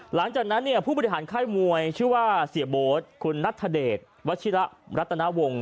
หลังจากนั้นเนี่ยผู้บริหารค่ายมวยชื่อว่าเสียโบ๊ทคุณนัทธเดชวัชิระรัตนวงศ